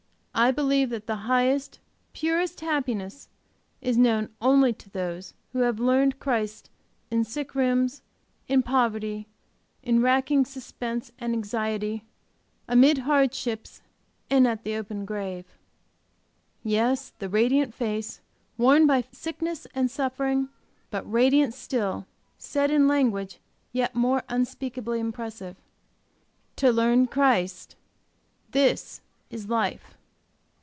I believe that the highest, purest happiness is known only to those who have learned Christ in sick rooms, in poverty, in racking suspense and anxiety, amid hardships, and at the open grave." Yes, the radiant face, worn by sickness and suffering, but radiant still, said in language yet more unspeakably impressive, "To learn Christ, this is life!"